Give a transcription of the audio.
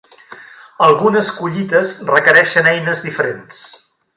Algunes collites requereixen eines diferents.